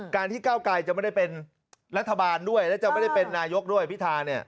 การที่เก้าไกรจะไม่ได้เป็นรัฐบาลด้วยและจะไม่ได้เป็นนายกด้วยพิธาเนี่ย